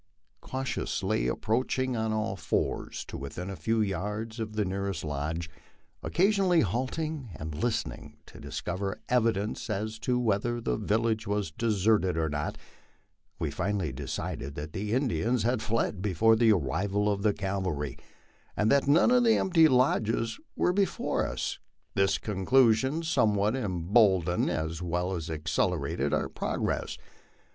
/CAUTIOUSLY approaching, on all fours, to within a few yards of the near V_y est lodge, occasionally halting and listening to discover evidence as to whether the village was deserted or not, we finally decided that the Indiana had fled before the arrival of the cavalry, and that none but empty lodges were be fore us. This conclusion somewhat emboldened as well as accelerated cut progress.